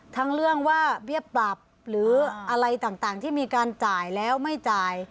ทั้งเรื่องว่าเบี้ยปรับหรืออะไรต่างที่มีการจ่ายแล้วไม่จ่าย